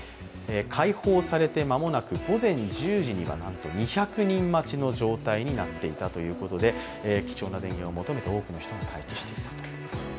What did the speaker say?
開放されて間もなく、午前１０時には２００人待ちの状態になっていたということで貴重な電源を求めて、多くの人が大挙してきたと。